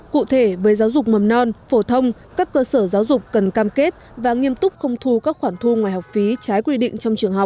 cụ thể với giáo dục mầm non phổ thông các cơ sở giáo dục cần cam kết và nghiêm túc không thu các khoản thu ngoài học phí trái quy định trong trường học